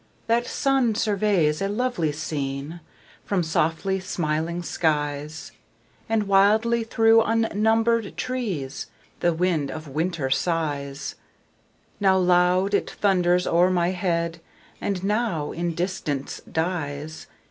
That sun surveys a lovely scene From softly smiling skies; And wildly through unnumbered trees The wind of winter sighs: Now loud, it thunders o'er my head, And now in distance dies.